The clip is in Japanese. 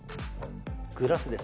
グラスです。